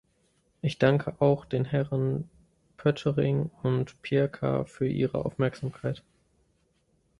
Ich danke auch den Herren Poettering und Pirker für ihre Aufmerksamkeit.